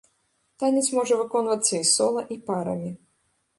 Танец можа выконвацца і сола, і парамі.